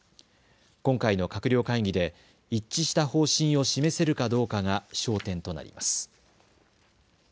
今回の閣僚会議で一致した方針を示せるかどうかが焦点となります。